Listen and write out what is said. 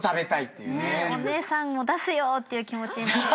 お姉さんも出すよーっていう気持ちに。